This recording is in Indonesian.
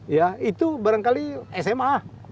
ya itu barangkali sma